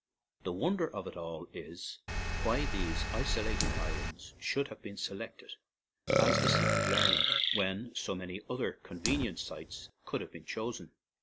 The wonder of it all is why these isolated islands should have been selected as the seat of learning, when so many other more convenient sites could have been chosen.